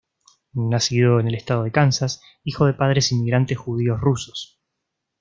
Nacido en el estado de Kansas, hijo de padres inmigrantes judíos rusos.